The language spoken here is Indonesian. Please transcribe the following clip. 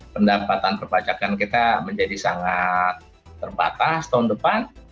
pendapatan perpajakan kita menjadi sangat terbatas tahun depan